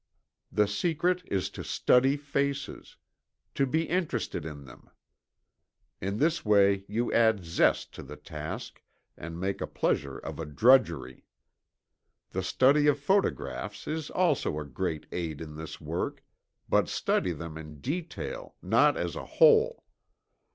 The secret is to study faces to be interested in them. In this way you add zest to the task, and make a pleasure of a drudgery. The study of photographs is also a great aid in this work but study them in detail, not as a whole.